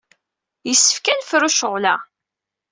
Yessefk ad d-nefru ccɣel-a.